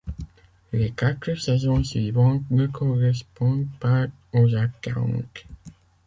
Les quatre saisons suivantes ne correspondent pas aux attentes.